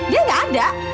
dia enggak ada